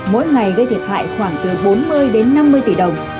mỗi ngày gây thiệt hại khoảng từ bốn mươi đến năm mươi tỷ đồng